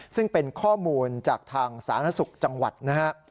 ซึ่งเป็นข้อมูลจากทางสาธารณสุขจังหวัดนะฮะ